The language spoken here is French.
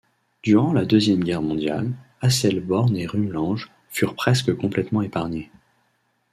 Durant la Deuxième Guerre mondiale, Asselborn et Rumlange furent presque complètement épargnés.